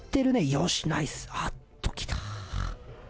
やっときた！